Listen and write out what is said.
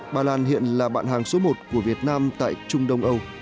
bà lan hiện là bạn hàng số một của việt nam tại trung đông âu